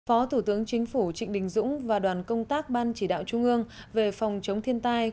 phó thủ tướng chính phủ trịnh đình dũng và đoàn công tác ban chỉ đạo trung ương về phòng chống thiên tai